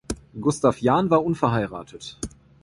Gustav Jahn war unverheiratet.